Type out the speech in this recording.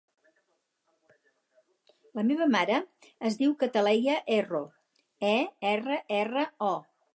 La meva mare es diu Cataleya Erro: e, erra, erra, o.